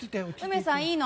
梅さんいいの。